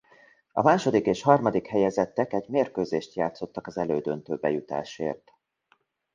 A második és harmadik helyezettek egy mérkőzést játszottak az elődöntőbe jutásért.